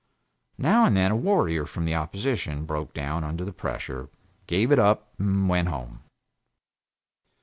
Now and then a warrior of the opposition broke down under the pressure, gave it up, and went home.